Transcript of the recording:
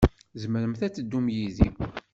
Tzemremt ad teddumt yid-i.